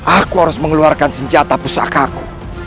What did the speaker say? aku harus mengeluarkan senjata pusakaku